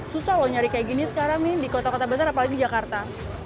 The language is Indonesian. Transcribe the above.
susah loh nyari kayak gini sekarang nih di kota kota besar apalagi di jakarta